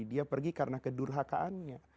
dia pergi karena kedurhakaannya